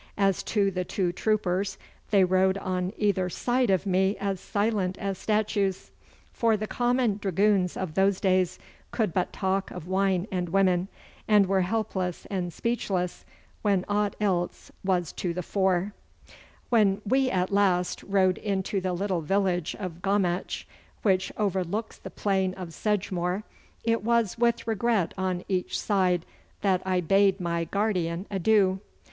As to the two troopers, they rode on either side of me as silent as statues; for the common dragoons of those days could but talk of wine and women, and were helpless and speechless when aught else was to the fore. When we at last rode into the little village of Gommatch, which overlooks the plain of Sedgemoor, it was with regret on each side that I bade my guardian adieu.